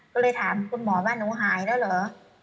ก็เลยถามคุณหมอว่าหนูหายแล้วเหรอ